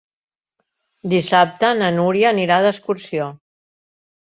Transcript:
Dissabte na Núria anirà d'excursió.